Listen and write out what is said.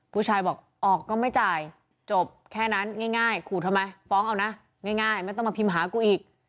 ผู้ชายบอกออกก็ไม่จ่ายจบแค่นั้นง่ายขู่ทำไมฟ้องเอานะง่ายไม่ต้องมาพิมพ์หากูอีก